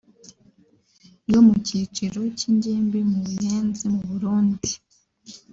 yo mu cyiciro cy’ingimbi mu Buyenzi mu Burundi